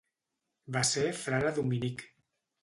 Va ser frare dominic.